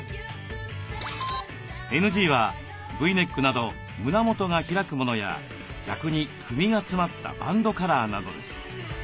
ＮＧはＶネックなど胸元が開くものや逆に首が詰まったバンドカラーなどです。